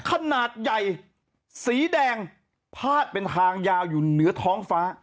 ขนาดใหญ่สีแดงพาดเป็นทางยาวอยู่เหนือท้องฟ้า